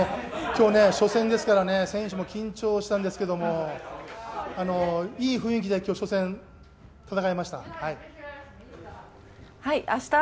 今日初戦ですから選手も緊張したんですけれども、いい雰囲気で初戦、戦えました。